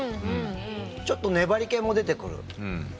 ちょっとねばり気も出てくる。